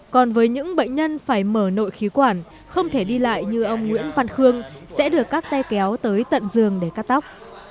còn với những bệnh nhân phải mở nội khí quản không thể đi lại như ông nguyễn văn khương sẽ được các tay kéo tới tận giường để cắt tóc